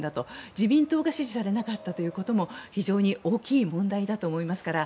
自民党が支持されなかったということも非常に大きい問題だと思いますから